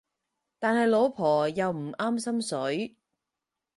但係老婆又唔啱心水